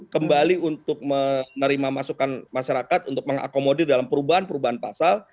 kembali untuk menerima masukan masyarakat untuk mengakomodir dalam perubahan perubahan pasal